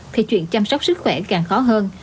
thì chuyện chăm sóc sức khỏe càng khó hơn